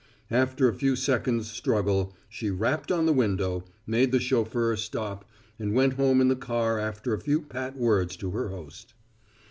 After a few seconds' struggle, she rapped on the window, made the chauffeur stop, and went home in the car after a few pat words to her host.